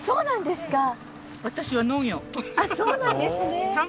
そうなんですか。